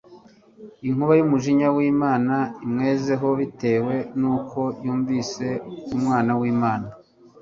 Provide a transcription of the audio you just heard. Inkuba y'unujinya w'Imana inwgezeho bitewe n'uko yumvise Umwana w'Imana.